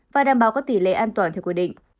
và đảm bảo có tỷ lệ an toàn theo quy định